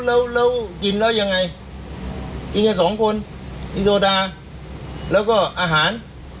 แล้วเรากินแล้วยังไงกินเดี๋ยวสองคนโซดาแล้วก็อาหาร